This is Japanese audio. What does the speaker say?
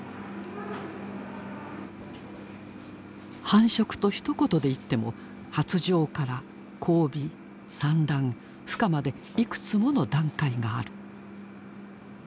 繁殖とひと言で言っても発情から交尾産卵孵化までいくつもの段階がある。